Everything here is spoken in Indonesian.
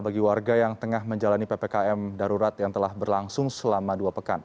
bagi warga yang tengah menjalani ppkm darurat yang telah berlangsung selama dua pekan